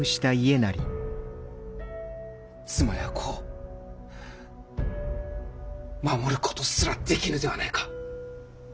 妻や子を守ることすらできぬではないか。